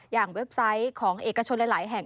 เว็บไซต์ของเอกชนหลายแห่ง